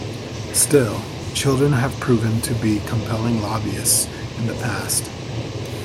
Still, children have proven to be compelling lobbyists in the past.